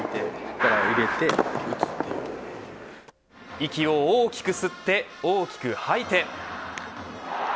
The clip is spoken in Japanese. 息を大きく吸って大きく吐いて。